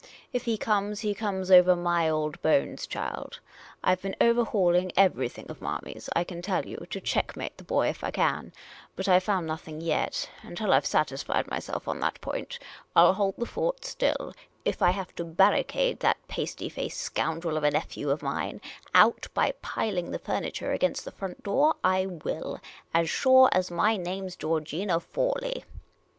If he comes, he comes over my old bones, child. I 've been overhauling everything of Marmy's, I can tell you, to checkmate the boy if I can ; but I 've found nothing yet, and till I 've satisfied 1 'VK llKl.I) Till : I'OKT IIY MAIN KORCK myself on that point, I '11 hold the fort still, if I have to barricade that pasty faced scoundrel of a nephew of mine out by piling the furniture against the front door — I will, as sure as my name 's Georgina Fawley